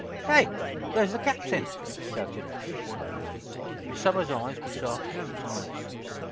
"Hey! There's the captain!" shouted Eph, wonderingly, for Somers's eyes were sharp at all times.